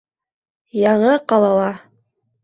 ЯҢЫ ҠАЛАЛА